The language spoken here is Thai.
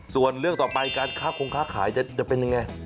ส่วนเรื่องต่อไปการค้าคงค้าขายจะเป็นยังไง